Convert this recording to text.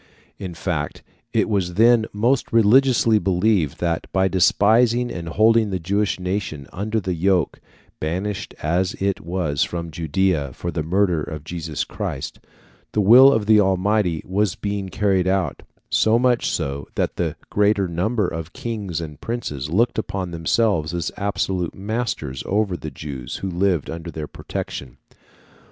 ] In fact, it was then most religiously believed that, by despising and holding the Jewish nation under the yoke, banished as it was from Judæa for the murder of Jesus Christ, the will of the Almighty was being carried out, so much so that the greater number of kings and princes looked upon themselves as absolute masters over the Jews who lived under their protection.